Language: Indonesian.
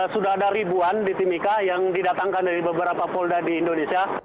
sudah ada ribuan di timika yang didatangkan dari beberapa polda di indonesia